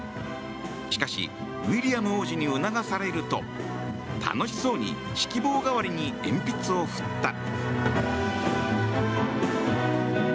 しかし、ウィリアム王子に促されると楽しそうに指揮棒代わりに鉛筆を振った。